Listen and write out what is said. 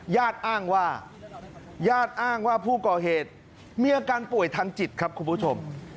ญาติอ้างว่าผู้ก่อเหตุเมื่อการป่วยทันจิตครับคุณผู้ชม